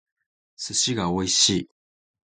寿司が美味しい